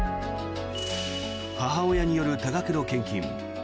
母親による多額の献金